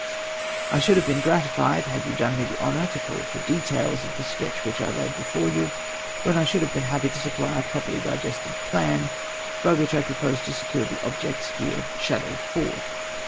I should have been gratified had you done me the honour to call for details of the sketch which I laid before you, when I should have been happ}^ to supply a properly digested plan by which I propose to secure the object« there shadowed forth.